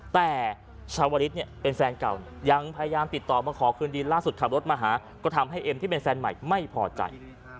แต่ชาวริสเนี่ยเป็นแฟนเก่ายังพยายามติดต่อมาขอคืนดีล่าสุดขับรถมาหาก็ทำให้เอ็มที่เป็นแฟนใหม่ไม่พอใจ